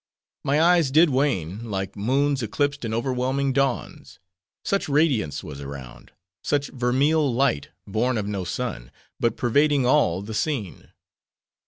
"My eyes did wane, like moons eclipsed in overwhelming dawns: such radiance was around; such vermeil light, born of no sun, but pervading all the scene.